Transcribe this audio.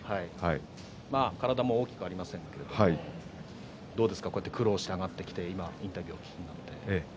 体も大きくありませんが苦労して上がってきてインタビューをお聞きになって。